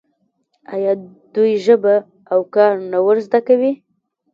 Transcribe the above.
آیا دوی ژبه او کار نه ور زده کوي؟